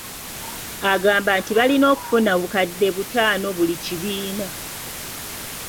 Agamba nti baalina okufuna obukadde butaano buli kibiina